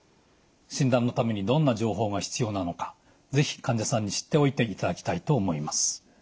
診断のためにどんな情報が必要なのか是非患者さんに知っておいていただきたいと思います。